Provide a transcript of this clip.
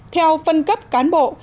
theo phân cấp cán bộ